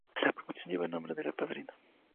La promoción lleva el nombre del padrino.